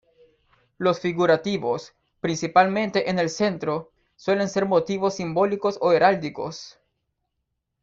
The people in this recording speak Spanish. Los figurativos, principalmente en el centro, suelen ser motivos simbólicos o heráldicos.